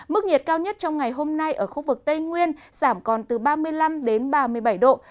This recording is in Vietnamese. mức nhiệt cao nhất trong ngày hôm nay ở khu vực tây nguyên giảm còn từ ba mươi năm đến ba mươi bảy độ